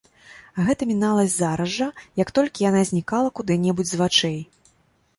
Гэта міналася зараз жа, як толькі яна знікала куды-небудзь з вачэй.